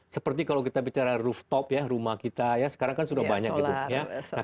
seperti kalau kita bicara rooftop ya rumah kita ya sekarang kan sudah banyak gitu ya